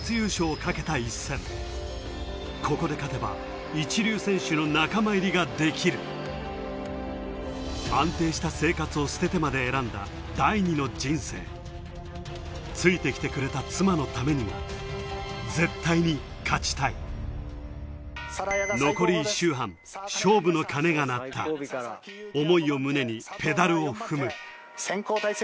ここで勝てば一流選手の仲間入りができる安定した生活を捨ててまで選んだ第２の人生ついて来てくれた妻のためにも絶対に勝ちたい残り１周半勝負の鐘が鳴った思いを胸にペダルを踏む先攻体勢